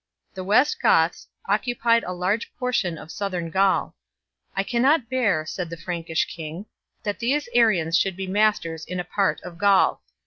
The West Goths occupied a large portion of southern Gaul. " I cannot bear," said the Frankish king, " that these Arians should be masters in a part of Gaul.